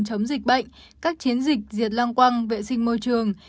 chống dịch bệnh các chiến dịch diệt lăng quăng vệ sinh môi trường